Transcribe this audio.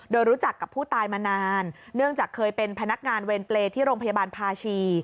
โดยรู้จักกับผู้ตายมานานเนื่องจากเคยเป็นพนักงานเวรเปรย์ที่โรงพยาบาลภาชี